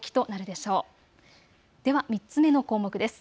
では３つ目の項目です。